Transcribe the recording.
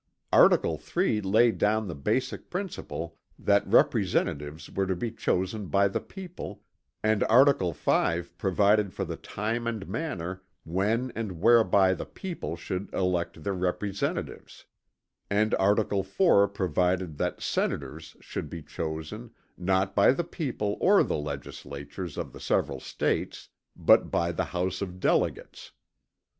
Article 3 laid down the basic principle that representatives were to be chosen by the people, and article 5 provided for the time and manner when and whereby the people should elect their representatives; and article 4 provided that Senators should be chosen, not by the people or the legislatures of the several States, but by the House of Delegates.